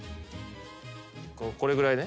これぐらいね。